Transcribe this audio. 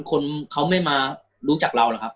คนเขาไม่มารู้จักเราหรอกครับ